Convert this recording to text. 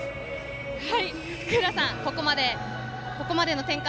ふくうらさん、ここまでの展開